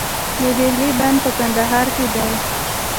د دهلې بند په کندهار کې دی